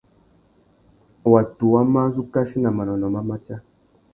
Watu wá má zu kachi nà manônôh má matia.